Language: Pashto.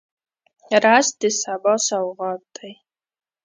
رس د سبا سوغات دی